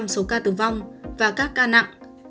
số ca tử vong và các ca nặng